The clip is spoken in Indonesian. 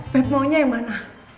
beb maunya yang mana